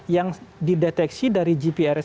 yang dideteksi dari gprs